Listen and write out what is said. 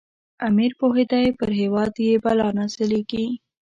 امیر پوهېدی پر هیواد یې بلا نازلیږي.